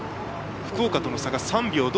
福岡との差が３秒。